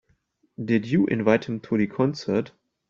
Did you invite him to the concert?